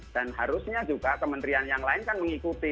dan harusnya juga kementerian yang lain kan mengikuti